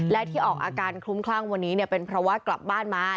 และที่ออกอาการคลุ้มคลั่งวันนี้เป็นเพราะว่ากลับบ้านมา